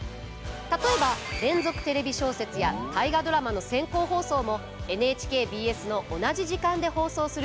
例えば「連続テレビ小説」や「大河ドラマ」の先行放送もＮＨＫＢＳの同じ時間で放送する予定です。